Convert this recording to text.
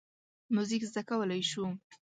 موزیک زده کولی شو.